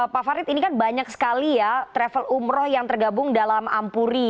pak farid ini kan banyak sekali ya travel umroh yang tergabung dalam ampuri